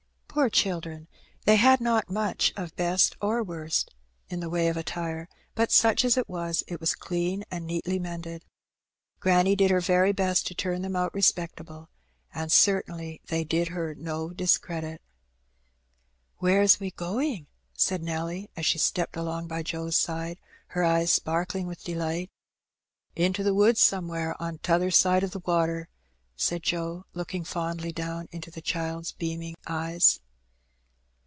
'' Poor children ! they had not much of best or worst in the way of attire, but, such as it was, it was clean and neatly mended. Granny did her very best to turn them out respectable, and certainly they did her no discredit. "Where is 'we going?" said Nelly^ as she stepped along by Joe's side, her eyes sparkling with delight. "Into the woods somewhere on t'other side o' the water," said Joe, looking fondly down into the child's beaming eyes.